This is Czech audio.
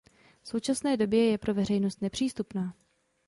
V současné době je pro veřejnost nepřístupná.